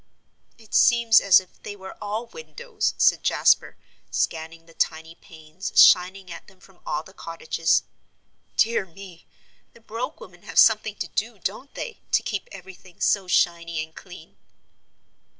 "It seems as if they were all windows," said Jasper, scanning the tiny panes shining at them from all the cottages. "Dear me, the Broek women have something to do, don't they, to keep everything so shiny and clean?"